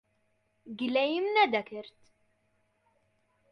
گلەییم نەدەکرد.